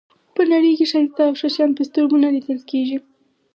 په نړۍ کې ښایسته او ښه شیان په سترګو نه لیدل کېږي.